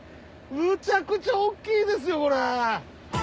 むちゃくちゃ大っきいですよこれ。